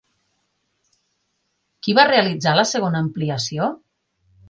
Qui va realitzar la segona ampliació?